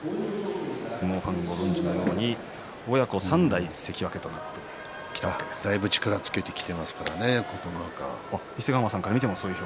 相撲ファンご存じのように親子３代関脇となってだいぶ力をつけてきていますね琴ノ若。